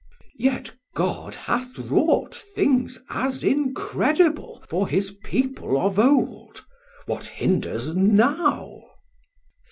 Chor: Yet God hath wrought things as incredible For his people of old; what hinders now?